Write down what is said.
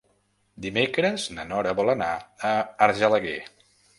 Dimecres na Nora vol anar a Argelaguer.